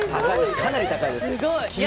かなり高いです。